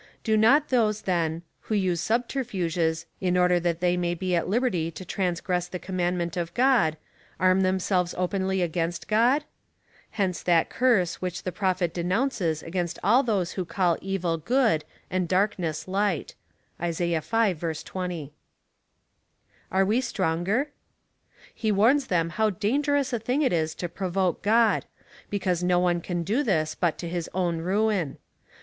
Do not those, then, who use subterfuges,^ in order that they may be at liberty to transgress the commandment of God, arm themselves openly against God ? Hence that curse which the Prophet denounces against all those who call evil, good, and darkness, light. (Isaiah v. 20.) Are we stronger ? He warns them how dangerous a thing it is to provoke God — because no one can do this but to his own ruin.